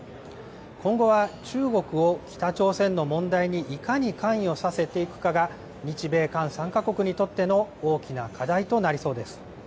今後は中国を北朝鮮の問題にいかに関与させていくかが日米韓３か国にとっての大きな課題となりそうです。